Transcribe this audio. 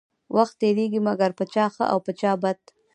وخت تيريږي مګر په چا ښه او په چا بد.